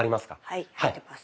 はい入ってます。